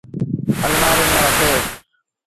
اَلمآريٚ ميݩ رکي۔